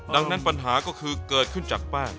ดังนั้นปัญหาก็คือเกิดขึ้นจากแป้ง